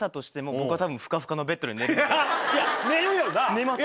寝ますね。